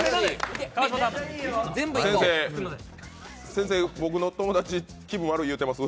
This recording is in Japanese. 先生、僕の友達、気分悪い言うてます。